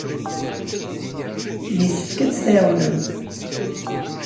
Yessefk ad tt-tɛawnem.